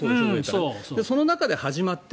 その中で始まって。